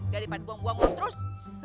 daripada buang buang muat terus